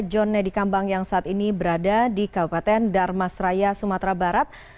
john nedi kambang yang saat ini berada di kabupaten darmas raya sumatera barat